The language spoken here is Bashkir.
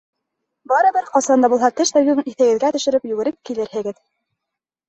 Барыбер ҡасан да булһа теш табибын иҫегеҙгә төшөрөп, йүгереп килерһегеҙ.